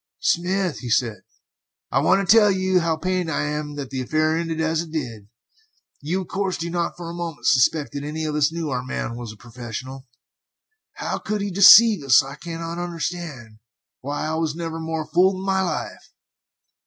"Smith," said he, "I want to tell you how pained I am that the affair ended as it did. You, of course, do not for a moment suspect that any of us knew our man was a professional. How he could deceive us I cannot understand. Why, I was never more fooled in my life!"